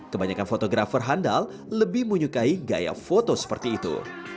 kebanyakan fotografer handal lebih menyukai gaya foto seperti itu